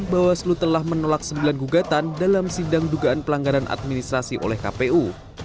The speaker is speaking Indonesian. bawaslu telah menolak sembilan gugatan dalam sidang dugaan pelanggaran administrasi oleh kpu